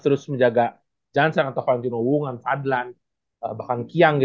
bermain di pekan ini